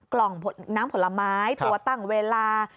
กล่องน้ำผลไม้ตัวตั้งเวลา